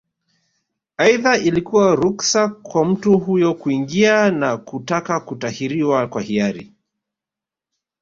Aidha ilikuwa ruksa kwa mtu huyo kuingia na kutaka kutahiriwa kwa hiari